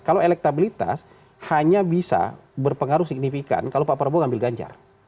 kalau elektabilitas hanya bisa berpengaruh signifikan kalau pak prabowo ngambil ganjar